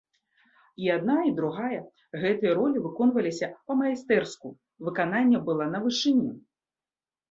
І адна, і другая, гэтыя ролі выконваліся па-майстэрску, выкананне было на вышыні.